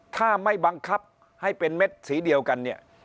ถ้าไม่บังคับให้เป็นเม็ดสีเดียวกันเนี่ย